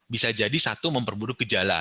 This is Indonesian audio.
bisa jadi satu memperburuk gejala